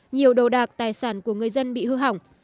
nhiều đồ đạc tài sản của người dân bị hư hỏng